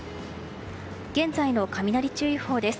現在の雷注意報です。